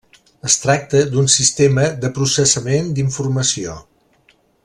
Es tracta d'un sistema de processament d'informació.